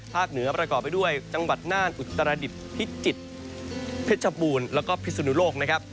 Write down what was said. ภาคเหนือประกอบไปด้วยจังหวัดน่านอุตรศาสตร์อุตรศาสตร์อดิบพิจิตรพิชปูนแล้วก็พิสุนุโลกนะครับ